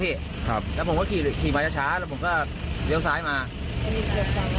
พี่ครับแล้วผมก็ขี่ขี่ไปช้าช้าแล้วผมก็เลี่ยวซ้ายมาเลี่ยวซ้าย